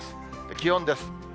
気温です。